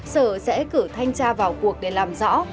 sở sẽ cử thanh tra vào cuộc để làm rõ